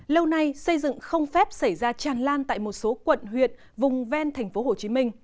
lâu nay xây dựng không phép xảy ra tràn lan tại một số quận huyện vùng ven tp hcm